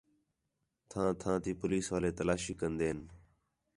تھاں، تھاں تی پولیس والے تلاشی کندے ہین